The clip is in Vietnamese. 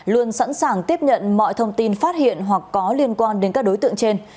luôn sẵn sàng tiếp nhận mọi thông tin phát hiện hoặc có liên quan đến các đối tượng trên